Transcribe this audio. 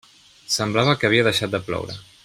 Semblava que havia deixat de ploure.